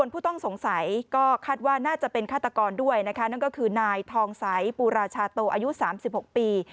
ผู้ต้องสงสัยก็คาดว่าน่าจะเป็นฆาตกรด้วยนะคะนั่นก็คือนายทองใสปูราชาโตอายุ๓๖ปี